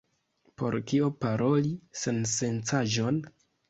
Por kio paroli sensencaĵon?